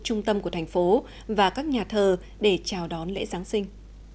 trung tâm của thành phố và các nhà thờ để chào đón lễ giáng sinh